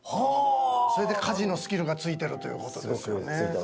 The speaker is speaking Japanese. それで家事のスキルがついてるということですよね。